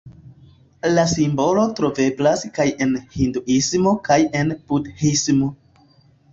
La simbolo troveblas kaj en hinduismo kaj en budhismo.